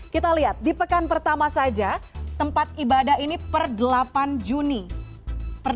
kita lihat di pekan pertama saja tempat ini ada lima sektor yang mungkin jadi fokus masyarakat